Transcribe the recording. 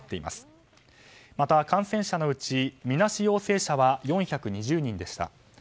また、感染者のうちみなし陽性者は４２０人でした。